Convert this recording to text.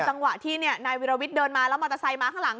เป็นตั้งว่าที่นี่นายวิระวิทย์เดินมาแล้วมอเตอร์ไซค์มาข้างหลัง